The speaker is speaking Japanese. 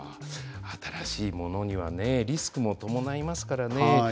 新しいものにはね、リスクも伴いますからね。